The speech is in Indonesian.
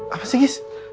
apa sih gis